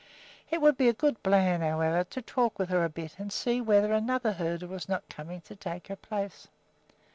It would be a good plan, however, to talk with her a bit and hear whether another herder was not coming to take her place.